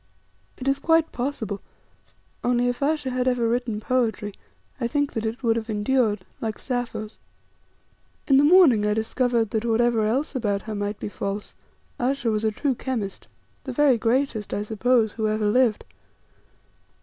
It is quite possible, only if Ayesha had ever written poetry I think that it would have endured, like Sappho's. In the morning I discovered that whatever else about her might be false, Ayesha was a true chemist, the very greatest, I suppose, who ever lived.